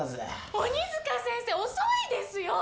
「鬼塚先生遅いですよ！」